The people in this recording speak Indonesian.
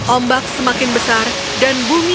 ombak semakin besar dan bumi mulai menarik